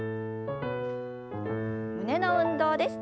胸の運動です。